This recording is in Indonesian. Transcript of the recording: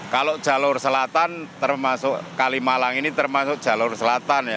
kalau jalur selatan termasuk kalimalang ini termasuk jalur selatan ya